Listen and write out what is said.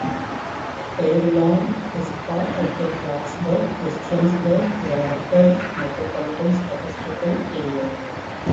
Fairlawn is part of the Blacksburg-Christiansburg-Radford Metropolitan Statistical Area.